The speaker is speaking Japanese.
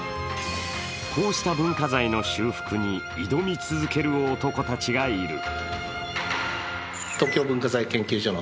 こうした文化財の修復に挑み続ける男たちがいる。